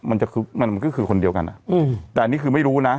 มันจะคือมันมันก็คือคนเดียวกันอ่ะอืมแต่อันนี้คือไม่รู้นะ